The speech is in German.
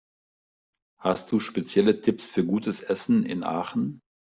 Hast du spezielle Tipps für gutes Essen in Aachen?